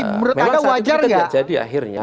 menurut anda wajar ya memang saat itu tidak jadi akhirnya